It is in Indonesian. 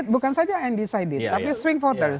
bukan saja undecided tapi swing voters